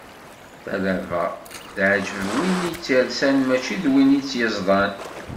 Talaba, teɛǧeb win i tt-yersan mačči d win i tt-yeẓḍan.